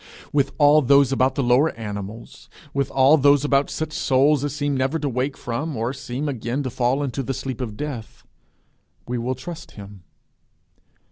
With all those about the lower animals, with all those about such souls as seem never to wake from, or seem again to fall into the sleep of death, we will trust him.